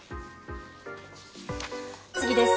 次です。